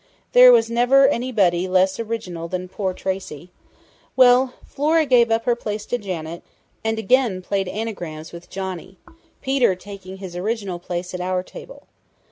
There was never anybody less original than poor Tracey.... Well, Flora gave up her place to Janet, and again played anagrams with Johnny, Peter taking his original place at our table.